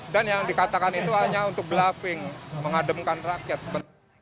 dan yang dikatakan itu hanya untuk bluffing mengademkan rakyat